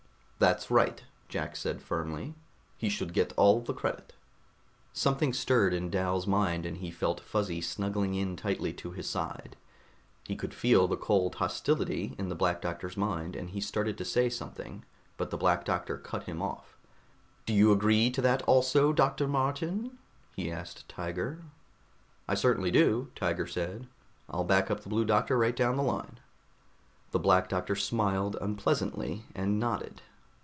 "That's right," Jack said firmly. "He should get all the credit." Something stirred in Dal's mind and he felt Fuzzy snuggling in tightly to his side. He could feel the cold hostility in the Black Doctor's mind, and he started to say something, but the Black Doctor cut him off. "Do you agree to that also, Dr. Martin?" he asked Tiger. "I certainly do," Tiger said. "I'll back up the Blue Doctor right down the line." The Black Doctor smiled unpleasantly and nodded.